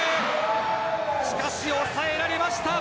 しかし、押さえられました。